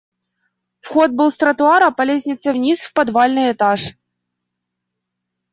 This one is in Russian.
Вход был с тротуара по лестнице вниз, в подвальный этаж.